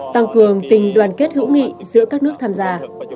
tăng cường tình đoàn kết hữu nghị giữa các nước tham gia